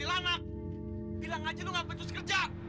bilang aja lo gak perlu sekerja